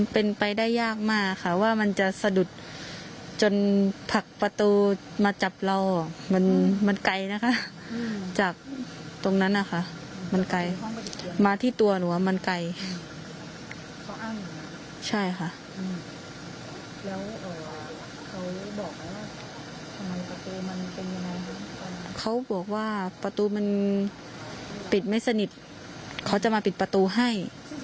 ปิดไม่สนิทเขาจะมาปิดประตูให้